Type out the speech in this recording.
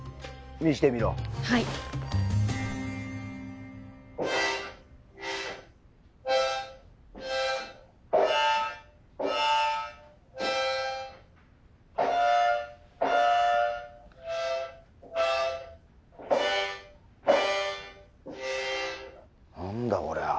見してみろはいなんだこりゃ